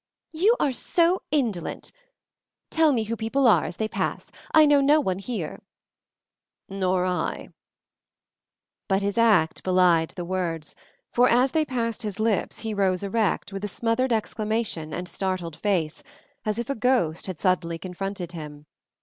"You are so indolent! Tell me who people are as they pass. I know no one here." "Nor I." But his act belied the words, for as they passed his lips he rose erect, with a smothered exclamation and startled face, as if a ghost had suddenly confronted him.